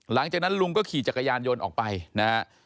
หลังจากนั้นลุงก็ขี่จักรยานยนต์ออกไปนะฮะ